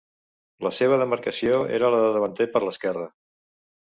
La seva demarcació era la de davanter per l'esquerra.